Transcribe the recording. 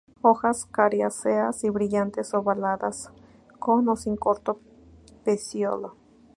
Hojas coriáceas y brillantes, ovaladas, con o sin corto pecíolo.